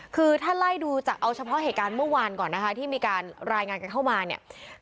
คือถ้าไล่ดูจากเอาเฉพาะเหตุการณ์เมื่อวานก่อนนะคะที่มีการรายงานกันเข้ามาเนี่ย